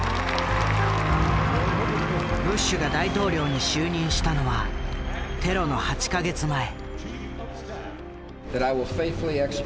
ブッシュが大統領に就任したのはテロの８か月前。